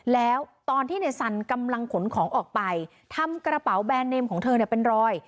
แล้วตอนที่ในสันกำลังขนของออกไปทำกระเป๋าแบรนดเนมของเธอเนี่ยเป็นรอย